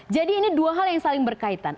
jadi ini dua hal yang saling berkaitan